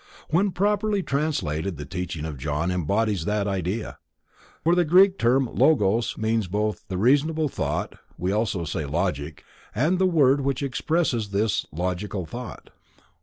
When properly translated the teaching of John fully embodies that idea, for the Greek term logos means both the reasonable thought,—(we also say Logic),—and the word which expresses this (logical) thought.